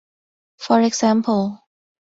For example.